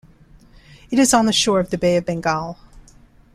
It is on the shore of the Bay of Bengal.